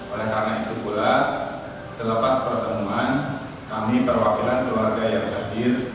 oleh karena itu pula selepas pertemuan kami perwakilan keluarga yang hadir